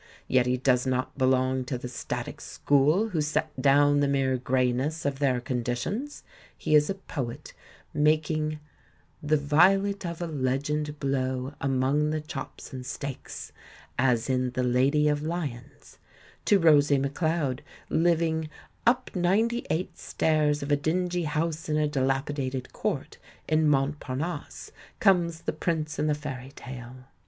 Yet he does not belong to the static school who set do^\Ti the mere greyness of their conditions. He is a poet, mak ing— "The violet of a legend blow Among the chops and steaks," as in The Lady of Lyons\ To Rosie McLeod, living "up ninety eight stairs of a dingy house in a dilapidated court" in Montparnasse, comes the prince in the Fairy Tale.